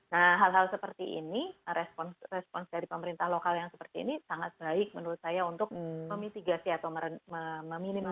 nah hal hal seperti ini respons dari pemerintah lokal yang seperti ini sangat baik menurut saya untuk memitigasi atau meminimalisasi